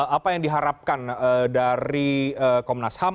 apa yang diharapkan dari komnas ham